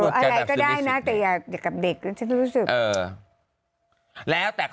อะไรก็ได้นะแต่อยากนามเด็กนี่รู้สึก